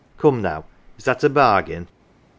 Come, now is that a bargain ?